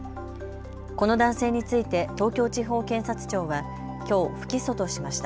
この男性について東京地方検察庁はきょう、不起訴としました。